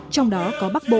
trong đó có bác bộ